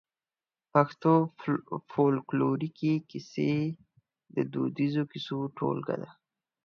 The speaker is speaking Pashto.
پښتو فولکلوريکي کيسې د دوديزو کيسو ټولګه ده.